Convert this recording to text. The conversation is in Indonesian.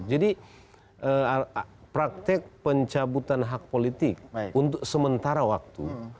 jadi praktek pencabutan hak politik untuk sementara waktu